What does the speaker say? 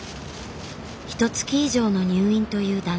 ひとつき以上の入院という男性。